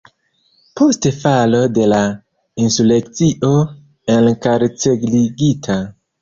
Post falo de la insurekcio enkarcerigita.